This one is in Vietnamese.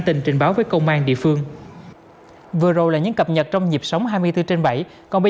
tình trình báo với công an địa phương vừa rồi là những cập nhật trong nhịp sống hai mươi bốn trên bảy còn bây